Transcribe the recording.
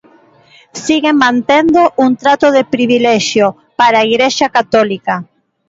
Seguen mantendo un trato de privilexio para a Igrexa católica.